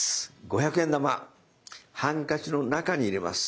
五百円玉ハンカチの中に入れます。